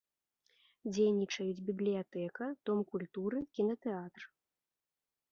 Дзейнічаюць бібліятэка, дом культуры, кінатэатр.